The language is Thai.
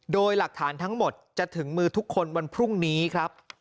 โดยหลักฐานทั้งหมดจะถึงมือทุกคนวันพรุ่งนี้ครับ